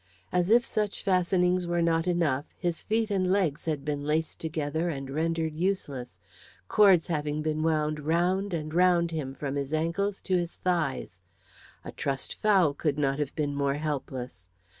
As if such fastenings were not enough, his feet and legs had been laced together and rendered useless, cords having been wound round and round him from his ankles to his thighs. A trussed fowl could not have been more helpless.